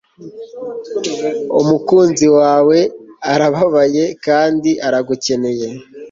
umukunzi wawe arababaye kandi aragukeneye